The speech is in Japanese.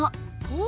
お！